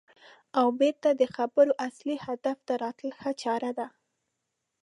او بېرته د خبرو اصلي هدف ته راتلل ښه چاره ده.